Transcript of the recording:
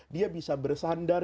dia bisa bersandar